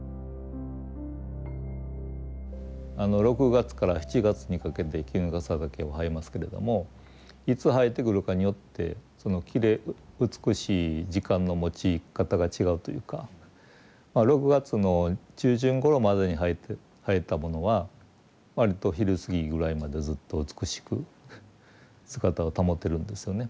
６月から７月にかけてキヌガサダケは生えますけれどもいつ生えてくるかによってその美しい時間のもち方が違うというかまあ６月の中旬ごろまでに生えたものは割と昼過ぎぐらいまでずっと美しく姿を保てるんですよね。